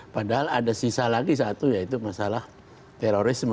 padahal ada sisa lagi satu yaitu masalah terorisme